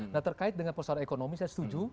nah terkait dengan persoalan ekonomi saya setuju